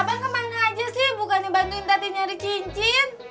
abang kemana aja sih bukan dibantuin tati nyari cincin